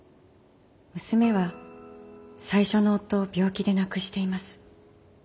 娘は最初の夫を病気で亡くしています。